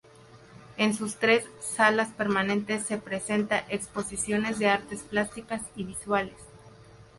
En sus tres salas permanentes se presentan exposiciones de artes plásticas y visuales.